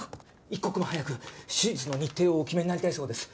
一刻も早く手術の日程をお決めになりたいそうです。